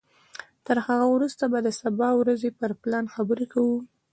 تر هغه وروسته به د سبا ورځې پر پلان خبرې کوو.